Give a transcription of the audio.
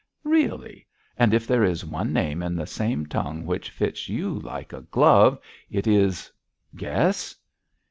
"' 'Really! and if there is one name in the same tongue which fits you like a glove, it is guess!'